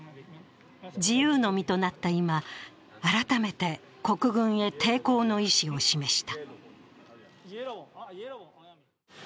自由の身となった今、改めて国軍へ抵抗の意思を示した。